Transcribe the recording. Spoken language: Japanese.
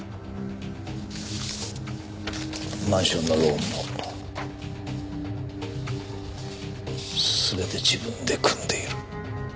マンションのローンも全て自分で組んでいる。